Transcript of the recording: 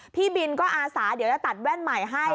พี่บินก็อาสาเดี๋ยวจะตัดแว่นใหม่ให้